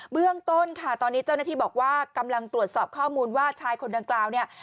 เรื่องต้นค่ะตอนนี้เจ้าหน้าที่บอกว่ากำลังตรวจสอบข้อมูลว่าชายคนดังกล่าวเนี่ย